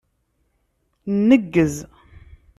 Nneggez.